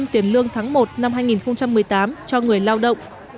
tiền lương tháng một năm hai nghìn một mươi tám cho người lao động